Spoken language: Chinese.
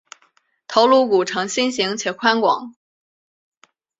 头颅骨呈心型且宽广。